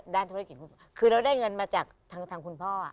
ด้านธุรกิจคุณพ่อคือเราได้เงินมาจากทางคุณพ่อ